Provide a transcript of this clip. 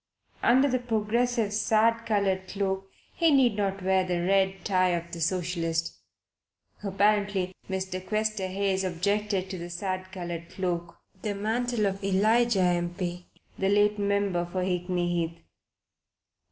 Under the Progressive's sad coloured cloak he need not wear the red tie of the socialist. Apparently Mr. Questerhayes objected to the sad coloured cloak, the mantle of Elijah, M. P., the late member for Hickney Heath.